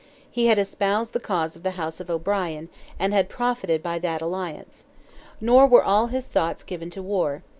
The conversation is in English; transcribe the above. He had espoused the cause of the house of O'Brien, and had profited by that alliance. Nor were all his thoughts given to war.